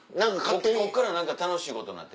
ここから何か楽しいことなんて。